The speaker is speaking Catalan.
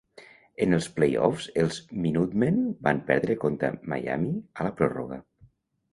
En els playoffs els Minutemen van perdre contra Miami a la pròrroga.